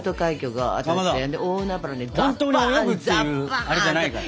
かまどほんとに泳ぐっていうあれじゃないから。